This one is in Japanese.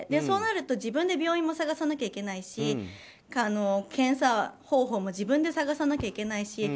そうなると自分で病院も探さなきゃいけないし検査方法も自分で探さなきゃいけないし。